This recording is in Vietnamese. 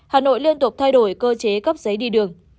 hà nội liên tục thay đổi cơ chế cấp giấy đi đường